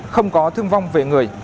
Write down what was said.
không có thương vong về người